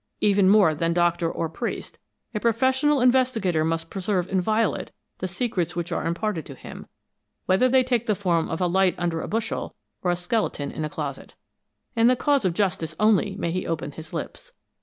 "Even more than doctor or priest, a professional investigator must preserve inviolate the secrets which are imparted to him, whether they take the form of a light under a bushel or a skeleton in a closet. In the cause of justice, only, may he open his lips.